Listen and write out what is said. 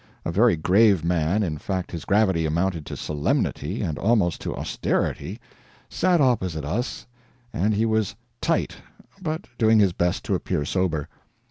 A very grave man in fact his gravity amounted to solemnity, and almost to austerity sat opposite us and he was "tight," but doing his best to appear sober.